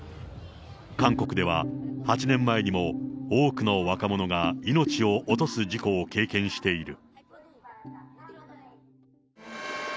韓国では、８年前にも多くの若者が命を落とす事故を経験している。